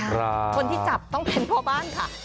คนที่จับต้องเป็นพ่อบ้านค่ะ